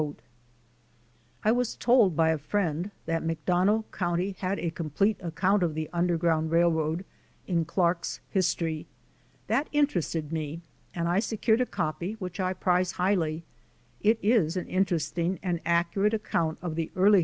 I was told by a friend that McDonough county had a com plete account of the Underground Eailroad in Clark's His tory. That interested me and I secured a copy which I prize highly. It is an interesting and accurate account of the early 584 D.